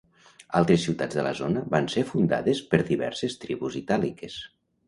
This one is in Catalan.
Altres ciutats de la zona van ser fundades per diverses tribus itàliques.